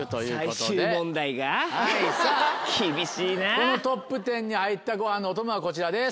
このトップ１０に入ったご飯のお供はこちらです。